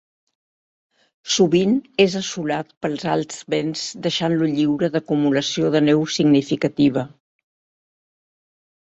Sovint és assolat pels alts vents, deixant-lo lliure d'acumulació de neu significativa.